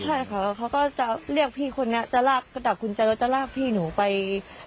ใช่ค่ะเขาก็จะเรียกพี่คนเนี่ยจะลากกระดาษกุญแจแล้วจะลากพี่หนูไป